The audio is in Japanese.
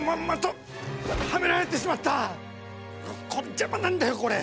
邪魔なんだよ、これ！